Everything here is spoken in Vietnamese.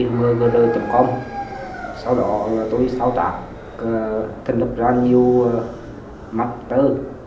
tôi đăng nhập trên điện thoại vào trang web bmgr com sau đó là tôi sao trả thành lập ra nhiều mạch tờ